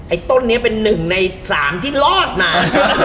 ต้นนี้เป็น๑ใน๓ที่รอดมา